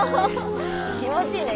気持ちいいね。